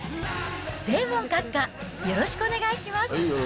デーモン閣下、よろしくお願いします。